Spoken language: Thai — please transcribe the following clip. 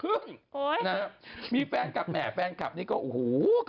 ลีน่าจังลีน่าจังลีน่าจังลีน่าจัง